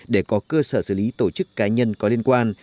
để có cơ sở xử lý tổ chức cá nhân có liên quan